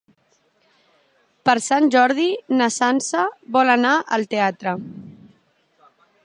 Per Sant Jordi na Sança vol anar al teatre.